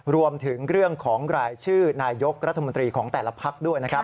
รวมถึงเรื่องของรายชื่อนายกรัฐมนตรีของแต่ละพักด้วยนะครับ